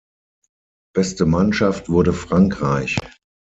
Beste Mannschaft wurde Frankreich.